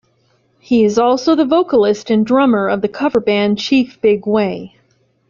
He is also the vocalist and drummer of the cover band Chief Big Way.